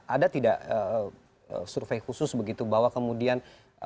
ada tidak survei khusus begitu bahwa kemudian